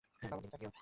বাবার দিকে তাকাও!